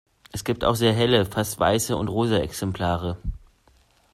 Es gibt auch sehr helle, fast weiße und rosa Exemplare.